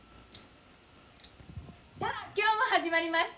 さぁ今日も始まりました。